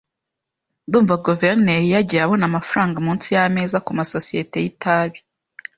Ndumva guverineri yagiye abona amafaranga munsi yameza kumasosiyete y itabi.